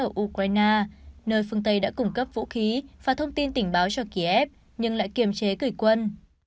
của ukraine nơi phương tây đã cung cấp vũ khí và thông tin tỉnh báo cho kiev nhưng lại kiềm chế gửi quân